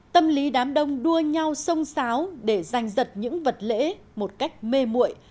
tâm lý đám đông đua nhau sông sáo để giành giật những vật lễ một cách mê mụi